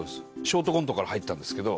ショートコントから入ったんですけど。